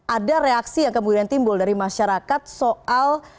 ada reaksi yang kemudian timbul dari masyarakat soal